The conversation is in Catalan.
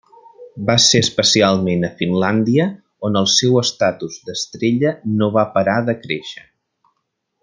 Va ser especialment a Finlàndia on el seu estatus d'estrella no va parar de créixer.